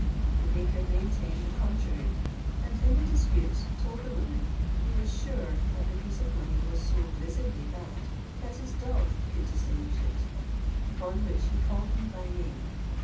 The baker maintained the contrary, and in the dispute told the woman, he was sure that the piece of money was so visibly bad, that his dog could distinguish it; upon which he called me by name.